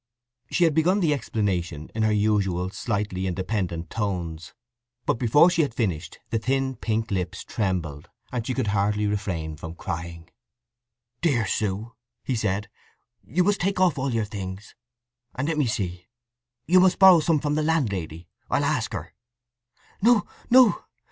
She had begun the explanation in her usual slightly independent tones, but before she had finished the thin pink lips trembled, and she could hardly refrain from crying. "Dear Sue!" he said. "You must take off all your things! And let me see—you must borrow some from the landlady. I'll ask her." "No, no!